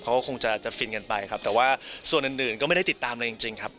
คงจะฟินกันไปครับแต่ว่าส่วนอื่นก็ไม่ได้ติดตามเลยจริงครับ